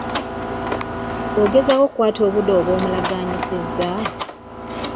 Ogezaako okukukwata obudde obwo bw'omulaganyiisizza?